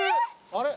あれ？